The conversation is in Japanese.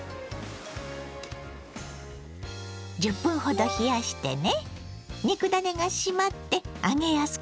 １０分ほど冷やしてね。